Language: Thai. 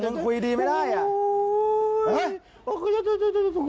มึงยอมยังล่ะมึงยอมยัง